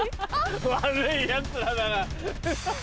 悪いヤツらだな。